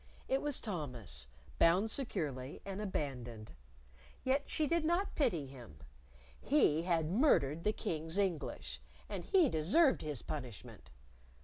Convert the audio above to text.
It was Thomas, bound securely, and abandoned. Yet she did not pity him. He had murdered the King's English, and he deserved his punishment.